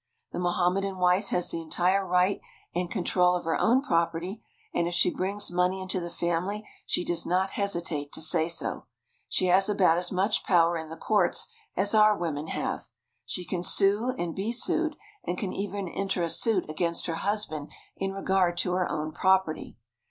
The Mohammedan wife has the entire right and con 230 THE VEILED WOMEN OF DAMASCUS trol of her own property, and if she brings money into the family she does not hesitate to say so. She has about as much power in the courts as our women have. She can sue and be sued and can even enter a suit against her husband in regard to her own property.